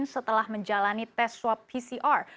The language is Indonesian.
setelah menjalani tes swab pcr